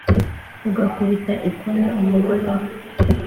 Ugakubita ikoni umugore we